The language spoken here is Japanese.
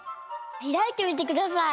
ひらいてみてください。